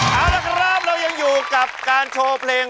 เอาละครับเรายังอยู่กับการโชว์เพลง